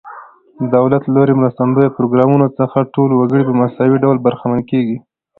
د دولت له لوري مرستندویه پروګرامونو څخه ټول وګړي په مساوي ډول برخمن کیږي.